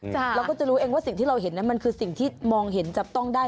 เราก็จะรู้เองว่าสิ่งที่เราเห็นนั้นมันคือสิ่งที่มองเห็นจับต้องได้